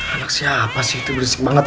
anak siapa sih itu berisik banget